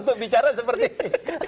untuk bicara seperti ini